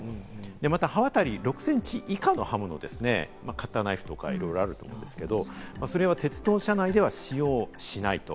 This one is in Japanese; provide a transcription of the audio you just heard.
また刃渡り６センチ以下の刃物は、カッターナイフなど、いろいろあると思うんですが、それを鉄道車内では使用しないと。